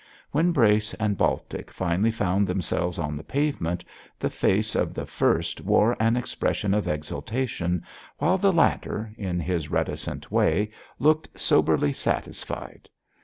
When Brace and Baltic finally found themselves on the pavement, the face of the first wore an expression of exultation, while the latter, in his reticent way, looked soberly satisfied.